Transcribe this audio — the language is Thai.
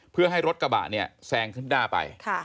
เพื่อให้รถกระบะเนี่ยแซงขึ้นหน้าไป